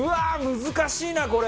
難しいなこれ。